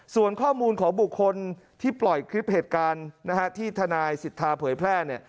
ส่วนข้อมูลของบุคคลที่ปล่อยคลิปเหตุการณ์นะฮะที่ทนายสิทธาเผยแพร่เนี่ย